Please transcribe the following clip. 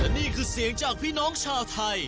นี่คือเสียงจากพี่น้องชาวไทย